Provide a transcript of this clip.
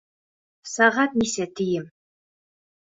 Сәғәт нисә, тием?